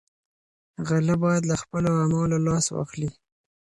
غله باید له خپلو اعمالو لاس واخلي.